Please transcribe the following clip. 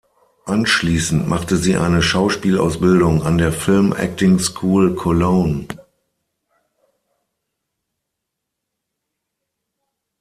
Anschließend machte sie eine Schauspielausbildung an der Film Acting School Cologne.